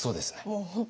もう本当